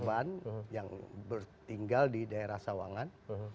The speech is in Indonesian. korban yang tinggal di daerah sawangan